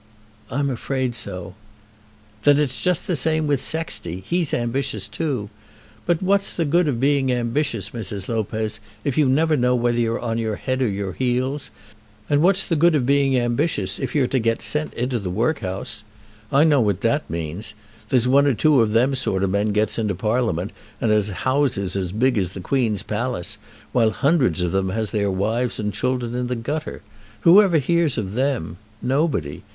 "I'm afraid so." "Then it's just the same with Sexty. He's ambitious too. But what's the good of being ambitious, Mrs. Lopez, if you never know whether you're on your head or your heels? And what's the good of being ambitious if you're to get into the workhouse? I know what that means. There's one or two of them sort of men gets into Parliament, and has houses as big as the Queen's palace, while hundreds of them has their wives and children in the gutter. Who ever hears of them? Nobody.